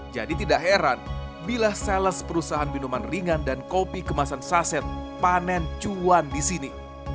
jadi tidak heran bila sales perusahaan minuman ringan dan kopi kemasan saset panen cuan di sini